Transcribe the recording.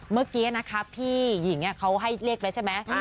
เมื่อกี้นะครับพี่หญิงเขาให้เลขแล้วใช่ไหม